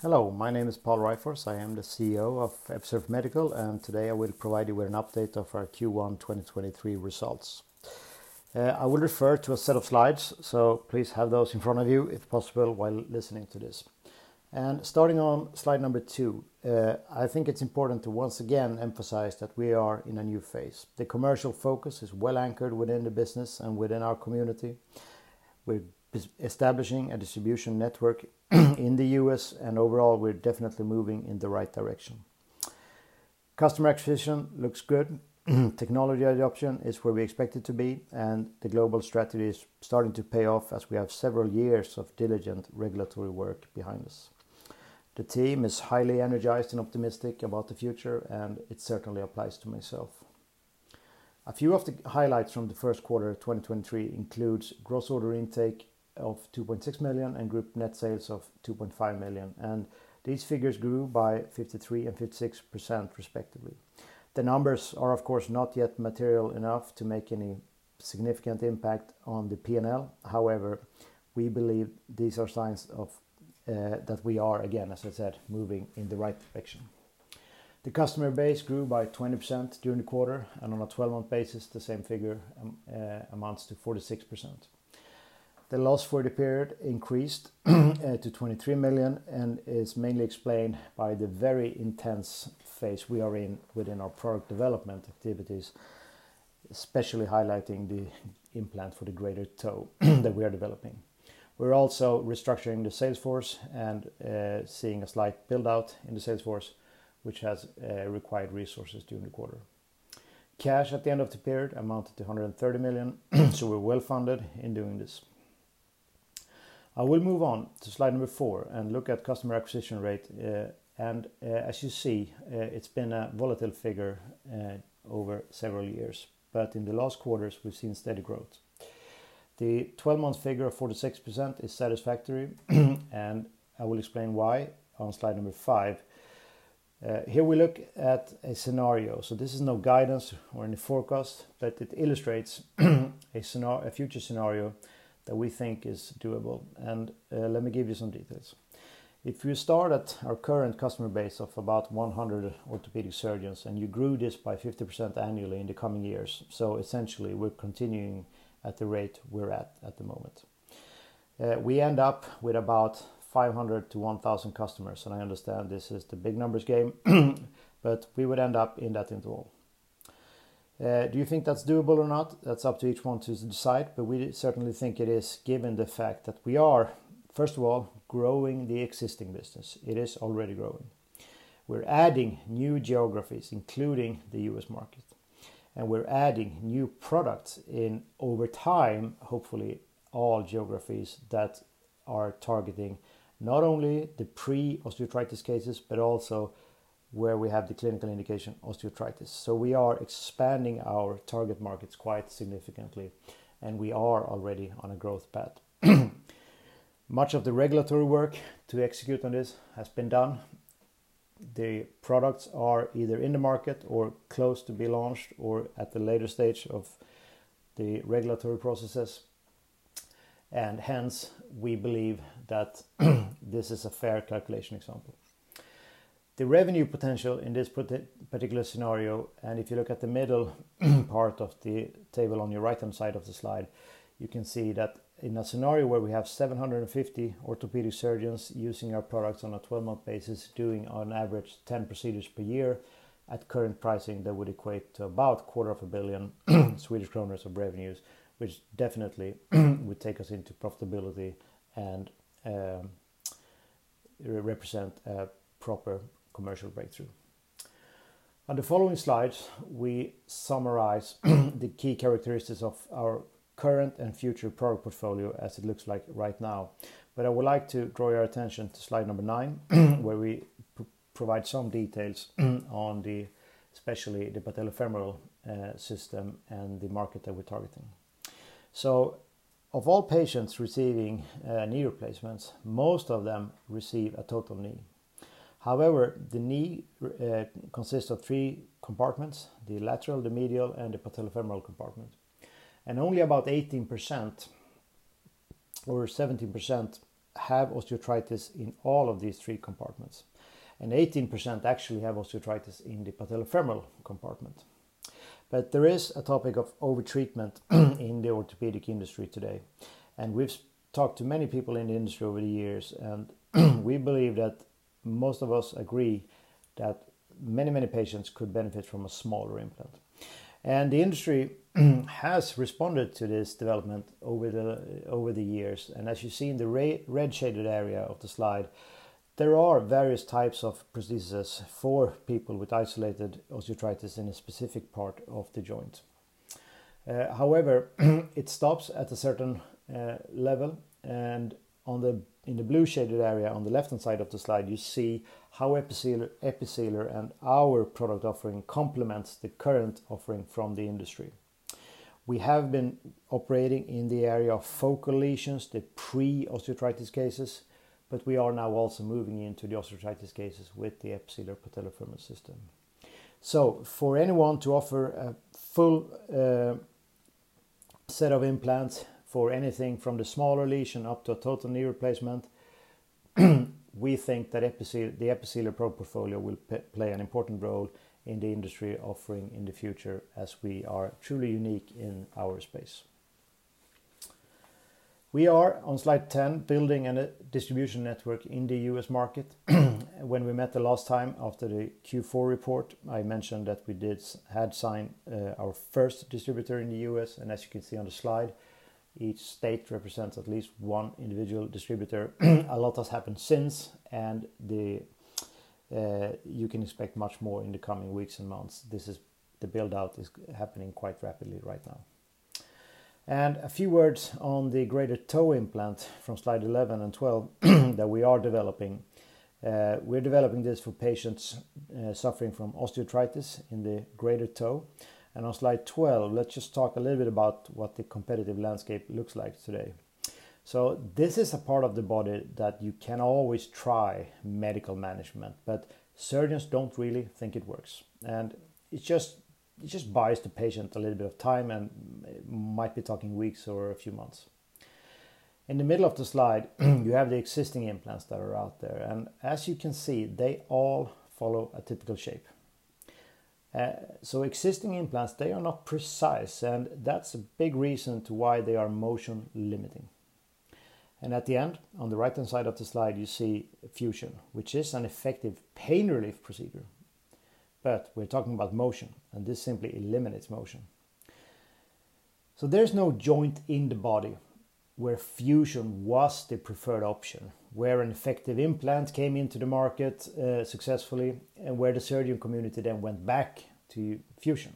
Hello, my name is Pål Ryfors. I am the CEO of Episurf Medical, and today I will provide you with an update of our Q1 2023 results. I will refer to a set of slides, so please have those in front of you if possible while listening to this. Starting on slide two, I think it's important to once again emphasize that we are in a new phase. The commercial focus is well anchored within the business and within our community. We're establishing a distribution network in the U.S., and overall, we're definitely moving in the right direction. Customer acquisition looks good. Technology adoption is where we expect it to be, and the global strategy is starting to pay off as we have several years of diligent regulatory work behind us. The team is highly energized and optimistic about the future, and it certainly applies to myself. A few of the highlights from the 1st quarter of 2023 includes gross order intake of 2.6 million and group net sales of 2.5 million, and these figures grew by 53% and 56% respectively. The numbers are, of course, not yet material enough to make any significant impact on the P&L. However, we believe these are signs that we are, again, as I said, moving in the right direction. The customer base grew by 20% during the quarter, and on a 12-month basis, the same figure amounts to 46%. The loss for the period increased to 23 million and is mainly explained by the very intense phase we are in within our product development activities, especially highlighting the implant for the greater toe that we are developing. We're also restructuring the sales force and seeing a slight build-out in the sales force, which has required resources during the quarter. Cash at the end of the period amounted to 130 million, we're well-funded in doing this. I will move on to slide number four and look at customer acquisition rate. As you see, it's been a volatile figure over several years. In the last quarters, we've seen steady growth. The 12-month figure of 46% is satisfactory, I will explain why on slide number five. Here we look at a scenario. This is no guidance or any forecast, but it illustrates a future scenario that we think is doable. Let me give you some details. If you start at our current customer base of about 100 orthopedic surgeons, and you grew this by 50% annually in the coming years. Essentially, we're continuing at the rate we're at at the moment. We end up with about 500 to 1,000 customers, and I understand this is the big numbers game, but we would end up in that interval. Do you think that's doable or not? That's up to each one to decide, but we certainly think it is, given the fact that we are, first of all, growing the existing business. It is already growing. We're adding new geographies, including the U.S. market, and we're adding new products in, over time, hopefully all geographies that are targeting not only the pre-osteoarthritis cases but also where we have the clinical indication osteoarthritis. We are expanding our target markets quite significantly, and we are already on a growth path. Much of the regulatory work to execute on this has been done. The products are either in the market or close to be launched or at the later stage of the regulatory processes. Hence, we believe that this is a fair calculation example. The revenue potential in this particular scenario, if you look at the middle part of the table on your right-hand side of the slide, you can see that in a scenario where we have 750 orthopedic surgeons using our products on a 12-month basis, doing on average 10 procedures per year, at current pricing, that would equate to about quarter of a billion Swedish kronors of revenues, which definitely would take us into profitability and represent a proper commercial breakthrough. On the following slides, we summarize the key characteristics of our current and future product portfolio as it looks like right now. I would like to draw your attention to slide number nine, where we provide some details on the, especially the Patellofemoral System and the market that we're targeting. Of all patients receiving knee replacements, most of them receive a total knee. However, the knee consists of three compartments, the lateral, the medial, and the patellofemoral compartment. Only about 18% or 17% have osteoarthritis in all of these three compartments. 18% actually have osteoarthritis in the patellofemoral compartment. There is a topic of over-treatment in the orthopedic industry today. We've talked to many people in the industry over the years, and we believe that most of us agree that many, many patients could benefit from a smaller implant. The industry has responded to this development over the years. As you see in the red-shaded area of the slide, there are various types of prosthesis for people with isolated osteoarthritis in a specific part of the joint. However, it stops at a certain level. In the blue-shaded area on the left-hand side of the slide, you see how Episealer and our product offering complements the current offering from the industry. We have been operating in the area of focal lesions, the pre-osteoarthritis cases. We are now also moving into the osteoarthritis cases with the Episealer Patellofemoral System. For anyone to offer a full set of implants for anything from the smaller lesion up to a total knee replacement. We think that the Episealer Patellofemoral portfolio will play an important role in the industry offering in the future as we are truly unique in our space. We are on slide 10 building an distribution network in the U.S. market. When we met the last time after the Q4 report, I mentioned that we had signed our first distributor in the U.S., and as you can see on the slide, each state represents at least one individual distributor. A lot has happened since, the, you can expect much more in the coming weeks and months. This is the build-out is happening quite rapidly right now. A few words on the greater toe implant from slide 11 and 12 that we are developing. We're developing this for patients suffering from osteoarthritis in the greater toe. On slide 12, let's just talk a little bit about what the competitive landscape looks like today. This is a part of the body that you can always try medical management, but surgeons don't really think it works. It just buys the patient a little bit of time and might be talking weeks or a few months. In the middle of the slide, you have the existing implants that are out there, and as you can see, they all follow a typical shape. Existing implants, they are not precise, and that's a big reason to why they are motion limiting. At the end, on the right-hand side of the slide, you see fusion, which is an effective pain relief procedure. We're talking about motion, and this simply eliminates motion. There's no joint in the body where fusion was the preferred option, where an effective implant came into the market, successfully, and where the surgeon community then went back to fusion.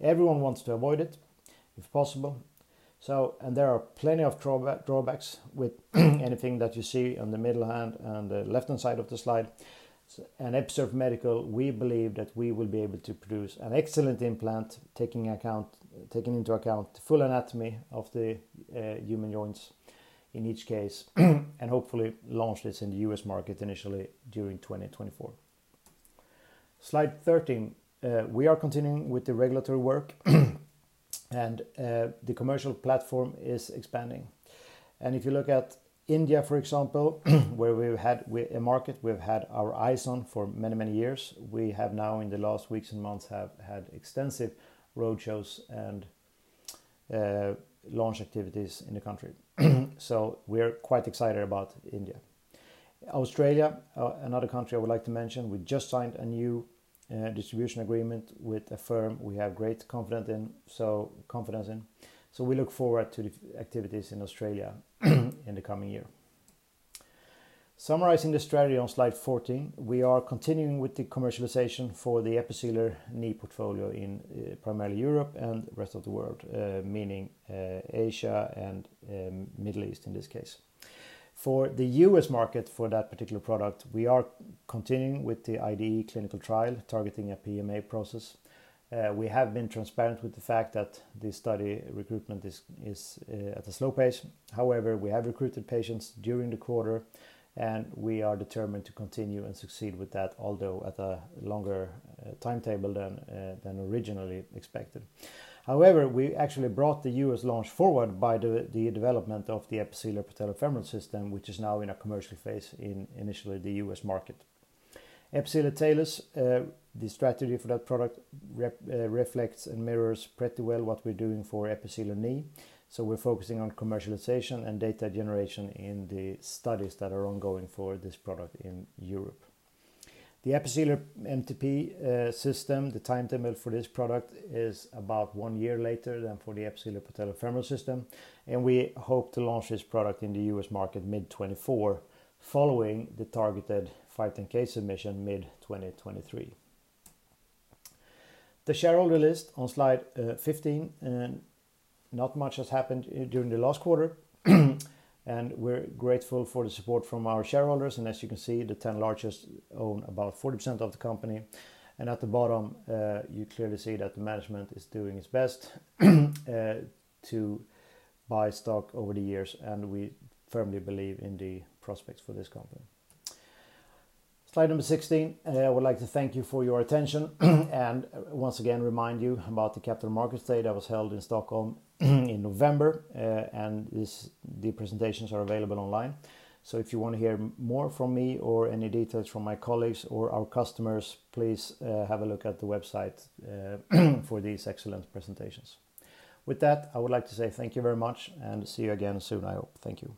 Everyone wants to avoid it if possible. There are plenty of drawbacks with anything that you see on the middle and on the left-hand side of the slide. At Episurf Medical, we believe that we will be able to produce an excellent implant, taking account, taking into account full anatomy of the human joints in each case, and hopefully launch this in the U.S. market initially during 2024. Slide 13. We are continuing with the regulatory work, and the commercial platform is expanding. If you look at India, for example, where we had a market we've had our eyes on for many, many years. We have now, in the last weeks and months, have had extensive road shows and launch activities in the country. We're quite excited about India. Australia, another country I would like to mention, we just signed a new distribution agreement with a firm we have great confidence in. We look forward to the activities in Australia in the coming year. Summarizing the strategy on slide 14, we are continuing with the commercialization for the Episealer Knee portfolio in primarily Europe and the rest of the world, meaning Asia and Middle East in this case. For the U.S. market for that particular product, we are continuing with the IDE clinical trial targeting a PMA process. We have been transparent with the fact that the study recruitment is at a slow pace. However, we have recruited patients during the quarter, and we are determined to continue and succeed with that, although at a longer timetable than originally expected. However, we actually brought the U.S. launch forward by the development of the Episealer Patellofemoral System, which is now in a commercial phase in initially the U.S. market. Episealer Talus, the strategy for that product reflects and mirrors pretty well what we're doing for Episealer Knee. We're focusing on commercialization and data generation in the studies that are ongoing for this product in Europe. The Episealer MTP system, the timetable for this product is about one year later than for the Episealer Patellofemoral System. We hope to launch this product in the U.S. market mid-2024, following the targeted 510(k) submission mid-2023. The shareholder list on slide 15. Not much has happened during the last quarter. We're grateful for the support from our shareholders. As you can see, the 10 largest own about 40% of the company. At the bottom, you clearly see that the management is doing its best to buy stock over the years, and we firmly believe in the prospects for this company. Slide number 16, I would like to thank you for your attention and once again remind you about the capital markets day that was held in Stockholm in November. The presentations are available online. If you wanna hear more from me or any details from my colleagues or our customers, please have a look at the website for these excellent presentations. I would like to say thank you very much and see you again soon, I hope. Thank you.